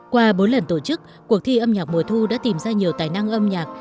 qua bốn lần tổ chức cuộc thi âm nhạc mùa thu đã tìm ra nhiều tài năng âm nhạc